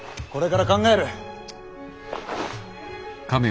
これから考える。